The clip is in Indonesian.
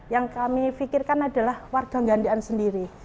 yang kami pikirkan adalah warga gandean sendiri